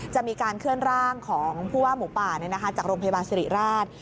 จะมีการเคลื่อนร่างของผู้ว่าหมูป่าจากโรงพยาบาลสิริราช